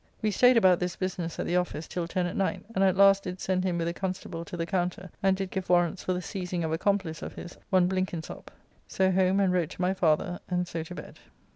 We staid about this business at the office till ten at night, and at last did send him with a constable to the Counter; and did give warrants for the seizing of a complice of his, one Blinkinsopp. So home and wrote to my father, and so to bed.